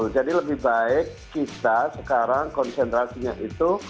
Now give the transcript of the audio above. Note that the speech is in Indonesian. jadi lebih baik kita sekarang konsentrasinya itu